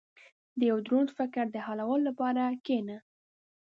• د یو دروند فکر د حلولو لپاره کښېنه.